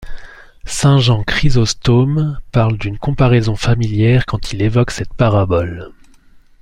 Saint Jean Chrysostome parle d'une comparaison familière quand il évoque cette parabole.